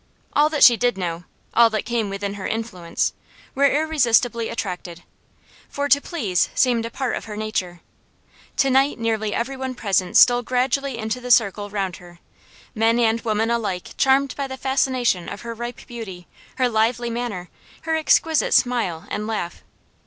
All that she did know all that came within her influence, were irresistibly attracted, for to please seemed a part of her nature. To night nearly every one present stole gradually into the circle round her; men and women alike charmed by the fascination of her ripe beauty, her lively manner, her exquisite smile and laugh.